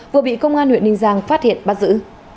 vừa bị công an huyện ninh giang phát hiện bắt giữ